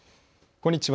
こんにちは。